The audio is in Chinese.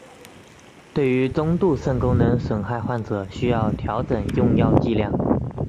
对于中度肾功能损害患者需要调整用药剂量。